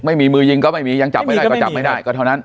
ไม่มีมือยิงก็ไม่มียังจับไม่ได้ก็จับไม่ได้ก็เท่านั้น